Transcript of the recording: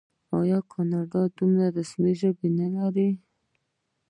آیا کاناډا دوه رسمي ژبې نلري؟